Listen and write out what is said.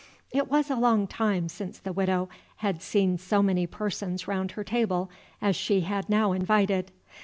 It was a long time since the Widow had seen so many persons round her table as she had now invited.